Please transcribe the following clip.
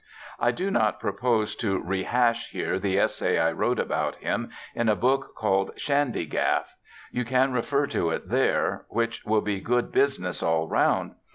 I do not propose to rehash here the essay I wrote about him in a book called Shandygaff. You can refer to it there, which will be good business all round.